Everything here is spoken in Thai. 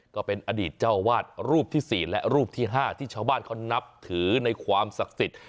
ก็เป็นอดีตเจ้าวาดรูปที่๔และรูปที่๕ที่ชาวบ้านเขานับถือในความศักดิ์สิทธิ์